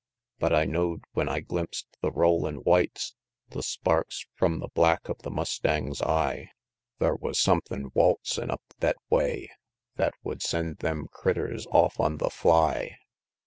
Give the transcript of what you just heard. But I know'd when I glimps'd the rollin' whites, The sparks from the black of the mustang's eye, Thar wus somethin' waltzin' up thet way Thet would send them critters off on the fly!